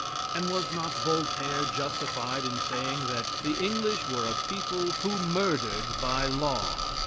And was not Voltaire justified in saying that "The English were a people who murdered by law?"